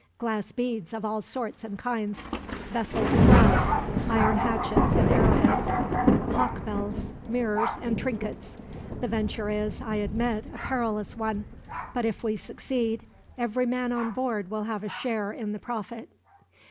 Glass beads of all sorts and kinds, vessels of brass, iron hatchets and arrowheads, hawk bells, mirrors, and trinkets. The venture is, I admit, a perilous one; but if we succeed, every man on board will have a share in the profit."